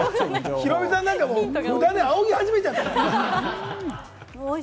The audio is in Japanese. ヒロミさんなんか、もう札であおぎ始めちゃってるからね。